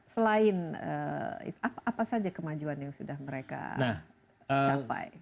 selain apa saja kemajuan yang sudah mereka capai